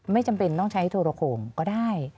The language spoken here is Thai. ไม่จำเป็นต้องใช้โทรโขงก็ได้